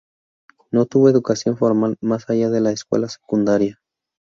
No tuvo educación formal más allá de la escuela secundaria.